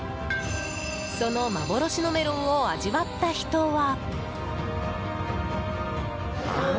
その幻のメロンを味わった人は。